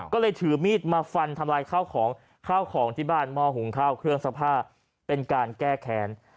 ก็เลยถือมีดมาฟันทำลายข้าวของที่บ้านม่อหุงข้าวเครื่องสภาพเป็นการแก้แค้น